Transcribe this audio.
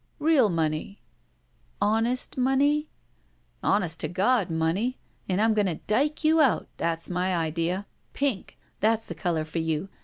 ''Real money." if an^5^ money ?"* Honest to God money. And I'm going to dike you out. That's my idea. Pink! That's the color for you.